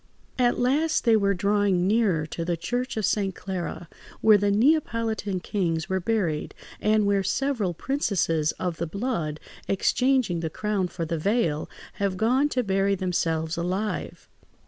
At last they were drawing nearer to the church of St. Clara, where the Neapolitan kings were buried, and where several princesses of the blood, exchanging the crown for the veil, have gone to bury themselves alive.